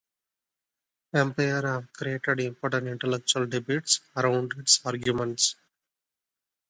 "Empire" has created important intellectual debates around its arguments.